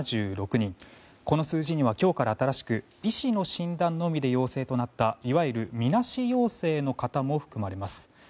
この数字には今日から新しく医師の診断のみで陽性となったいわゆる、みなし陽性の方も含まれます。